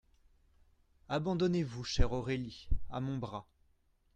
Abandonnez-vous, chère Aurélie, à mon bras.